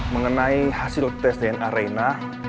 mengenai hasil tes dna arena